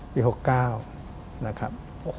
ปี๖๙นะครับ